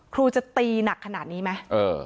ครูจะตีหนักขนาดนี้ไหม